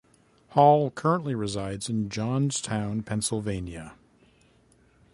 Hall currently resides in Johnstown, Pennsylvania.